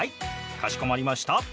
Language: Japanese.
かしこまりました。